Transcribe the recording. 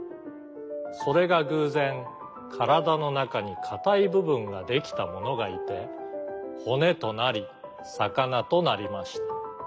それがぐうぜんからだのなかにかたいぶぶんができたものがいてほねとなりさかなとなりました。